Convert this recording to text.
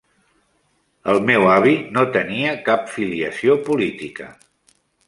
El meu avi no tenia cap filiació política